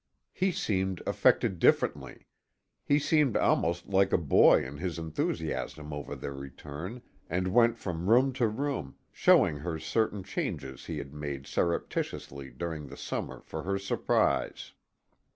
He seemed affected differently. He seemed almost like a boy in his enthusiasm over their return, and went from room to room, showing her certain changes he had made surreptitiously during the summer for her surprise.